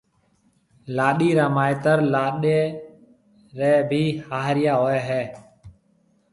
لاڏيِ را مائيتر لاڏيَ ريَ بي هاهريا هوئي هيَ۔